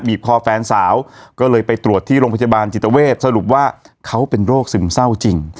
คอแฟนสาวก็เลยไปตรวจที่โรงพยาบาลจิตเวทสรุปว่าเขาเป็นโรคซึมเศร้าจริง